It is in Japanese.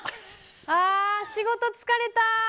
あー、仕事疲れた。